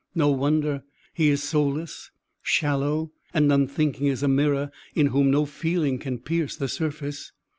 No wonder; he is soulless, shallow, and unthinking as a mirror, in whom no feeling can pierce the surface.